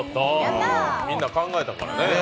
みんな考えたからね。